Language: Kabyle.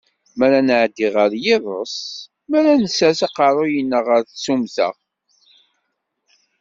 Mi ara nɛedi ɣer yiḍes, mi ara nsers aqerruy-nneɣ ɣer tsumta.